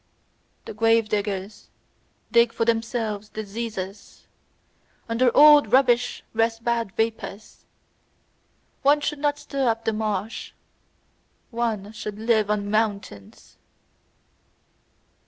The grave diggers dig for themselves diseases. Under old rubbish rest bad vapours. One should not stir up the marsh. One should live on mountains.